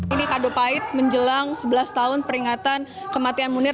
ini kado pahit menjelang sebelas tahun peringatan kematian munir